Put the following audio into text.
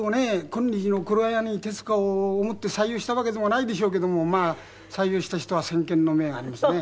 今日の黒柳徹子を思って採用したわけでもないでしょうけども採用した人は先見の明がありますね。